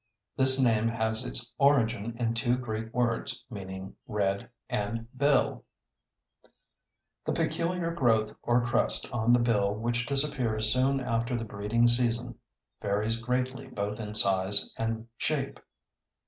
This name has its origin in two Greek words, meaning red and bill. The peculiar growth or crest on the bill which disappears soon after the breeding season, varies greatly both in size and shape.